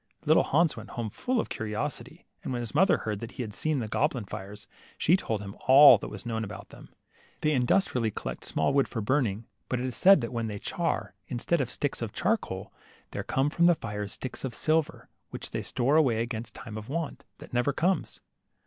Little Hans went home full of curiosity, and when his mother heard that he had seen the goblin fires, she told him all that was known about them. They industriously collect small wood for burning. 28 LITTLE HANS, but it is said that when they char, instead of sticks of charcoal, there come from the fires sticks of silver, which they store away against a time of want, that never comes.